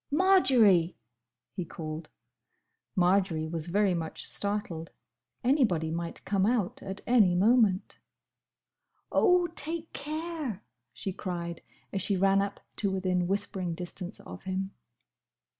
"Marjory!" he called. Marjory was very much startled. Anybody might come out at any moment. "Oh! take care!" she cried, as she ran up to within whispering distance of him.